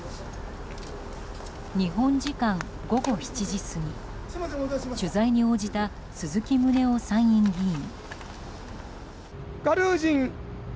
日本時間午後７時過ぎ取材に応じた鈴木宗男参院議員。